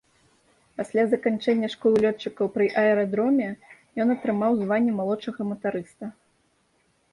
Пасля заканчэння школы лётчыкаў пры аэрадроме ён атрымаў званне малодшага матарыста.